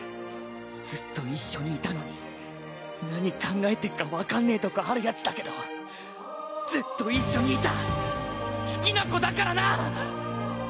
ずっと一緒にいたのに何考えてっか分かんねぇとこあるヤツだけどずっと一緒にいた好きな子だからな！